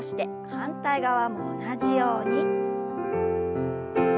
反対側も同じように。